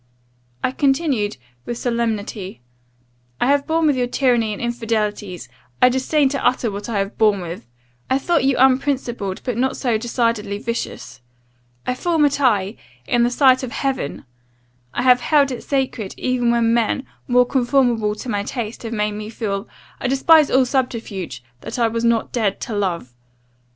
"I continued, with solemnity, 'I have borne with your tyranny and infidelities. I disdain to utter what I have borne with. I thought you unprincipled, but not so decidedly vicious. I formed a tie, in the sight of heaven I have held it sacred; even when men, more conformable to my taste, have made me feel I despise all subterfuge! that I was not dead to love.